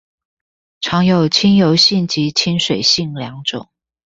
常有親油性及親水性兩種